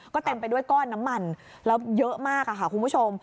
ก็เต็มไปด้วยก้อนน้ำมันแล้วเยอะมากค่ะคุณผู้ชม